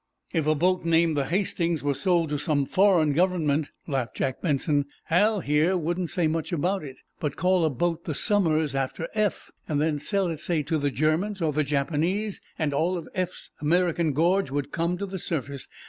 "If a boat named the 'Hastings' were sold to some foreign government," laughed Jack Benson, "Hal, here, wouldn't say much about it. But call a boat named the 'Somers,' after Eph, and then sell it, say, to the Germans or the Japanese, and all of Eph's American gorge would come to the surface.